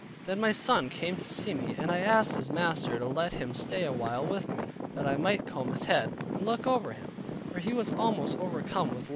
Then my son came to see me, and I asked his master to let him stay awhile with me, that I might comb his head, and look over him, for he was almost overcome with lice.